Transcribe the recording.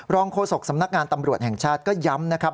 โฆษกสำนักงานตำรวจแห่งชาติก็ย้ำนะครับ